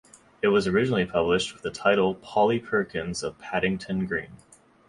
It was originally published with the title "Polly Perkins of Paddington Green".